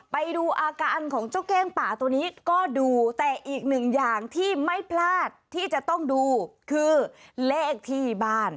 ไปดูอาการของเจ้าเก้งป่าตัวนี้ก็ดูแต่อีกหนึ่งอย่างที่ไม่พลาดที่จะต้องดูคือเลขที่บ้าน